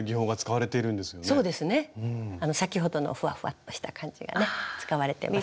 先ほどのふわふわっとした感じがね使われてます。